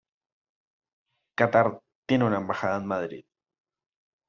Catar tiene una embajada en Madrid.